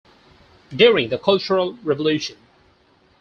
During the Cultural Revolution.